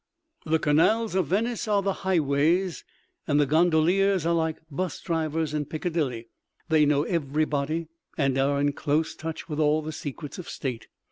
The canals of Venice are the highways, and the gondoliers are like 'bus drivers in Piccadilly—they know everybody and are in close touch with all the Secrets of State.